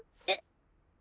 えっ。